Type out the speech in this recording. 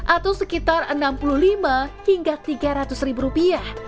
atau sekitar enam puluh lima hingga tiga ratus ribu rupiah